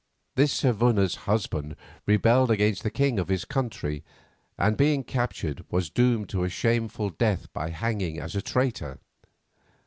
This Saevuna's husband rebelled against the king of his country, and, being captured, was doomed to a shameful death by hanging as a traitor.